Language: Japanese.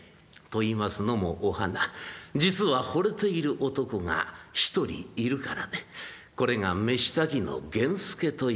といいますのもお花実はほれている男が一人いるからでこれが飯炊きの源助という男でございました。